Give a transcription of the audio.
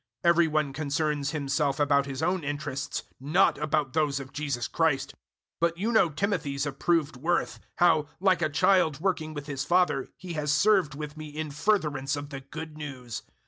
002:021 Everybody concerns himself about his own interests, not about those of Jesus Christ. 002:022 But you know Timothy's approved worth how, like a child working with his father, he has served with me in furtherance of the Good News.